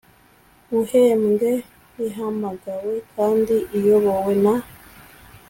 guhembwe ihamagawe kandi iyobowe na